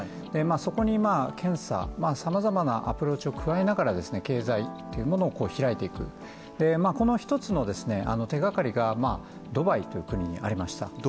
そこに検査、様々なアプローチを加えながら経済というものを開いていく、この一つの手がかりがドバイという国にありました。